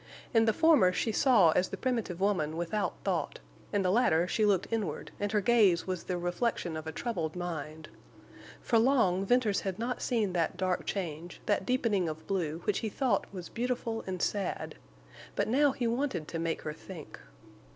In the former she saw as the primitive woman without thought; in the latter she looked inward, and her gaze was the reflection of a troubled mind. For long Venters had not seen that dark change, that deepening of blue, which he thought was beautiful and sad. But now he wanted to make her think.